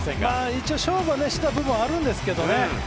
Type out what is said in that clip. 一応、勝負はした部分はあるんですけどね。